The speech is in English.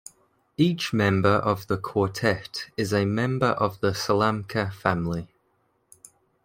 Each member of the quartet is a member of the Slamka family.